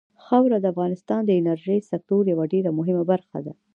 خاوره د افغانستان د انرژۍ سکتور یوه ډېره مهمه برخه ده.